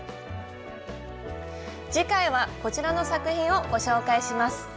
次回はこちらの作品をご紹介します。